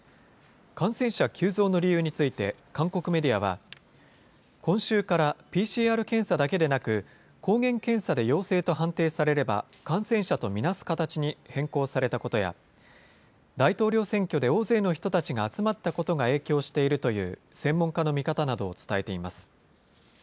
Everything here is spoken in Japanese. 感染者急増の理由について、韓国メディアは、今週からＰＣＲ検査だけでなく、抗原検査で陽性と判定されれば、感染者と見なす形に変更されたことや、大統領選挙で大勢の人たちが集まったことが影響しているという、専門家の見方などを伝えています。